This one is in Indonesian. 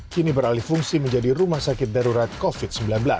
kini beralih fungsi menjadi rumah sakit darurat covid sembilan belas